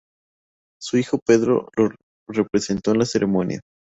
Su hijo Pedro lo representó en la ceremonia.